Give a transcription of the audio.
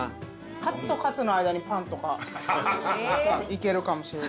カツとカツの間にパンとかいけるかもしれない。